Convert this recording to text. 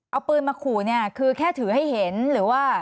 เอาปืนมาขู่เนี่ยคือแค่ถือให้เห็นหรือว่า